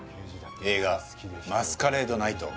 映画「マスカレード・ナイト」